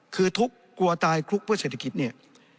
คือทุกข์กลัวตายคลุกเพื่อเศรษฐกิจเนี่ย